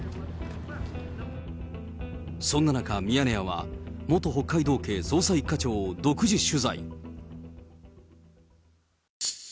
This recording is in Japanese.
そんな中、ミヤネ屋は元北海道警捜査１課長を独自取材。